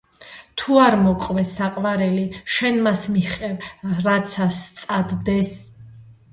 თუ არ მოგყვეს საყვარელი, შენ მას მიჰყევ, რაცა სწადდეს